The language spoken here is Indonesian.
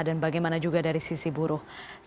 dan bagaimana juga dari sisi buruh